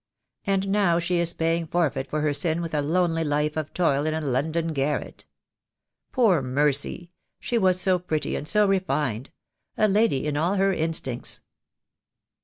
And now she is paying forfeit for her sin with a lonely life of toil in a London garret. Poor Mercy! She was so pretty and so refined — a lady in all her instincts."